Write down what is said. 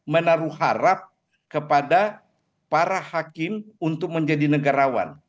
menaruh harap kepada para hakim untuk menjadi negarawan